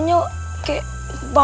eh apaan sih sizernya